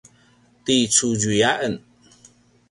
ti Cudjui a en